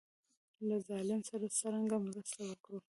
له ظالم سره څرنګه مرسته وکړو.